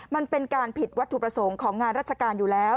มันเป็นการผิดวัตถุประสงค์ของงานราชการอยู่แล้ว